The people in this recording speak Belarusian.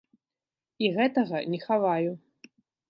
І гэтага не хаваю.